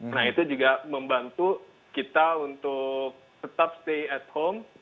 nah itu juga membantu kita untuk tetap stay at home